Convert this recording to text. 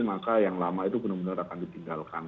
maka yang lama itu benar benar akan ditinggalkan